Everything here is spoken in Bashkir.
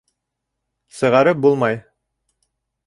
Сығарып булмай.